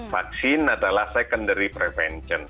vaksin adalah secondary prevention